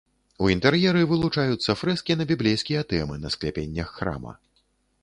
У інтэр'еры вылучаюцца фрэскі на біблейскія тэмы на скляпеннях храма.